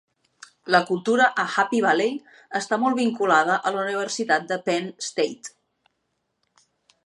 La cultura a Happy Valley està molt vinculada a la universitat de Penn State.